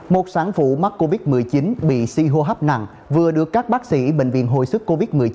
một sản phụ mắc covid một mươi chín bị suy hô hấp nặng vừa được các bác sĩ bệnh viện hồi sức covid một mươi chín